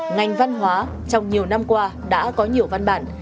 ngành văn hóa trong nhiều năm qua đã có nhiều văn bản